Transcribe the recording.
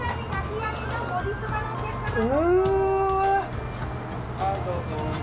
うわ！